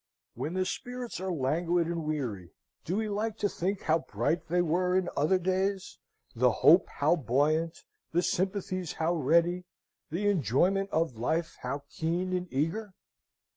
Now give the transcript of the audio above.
When the spirits are languid and weary, do we like to think how bright they were in other days, the hope how buoyant, the sympathies how ready, the enjoyment of life how keen and eager?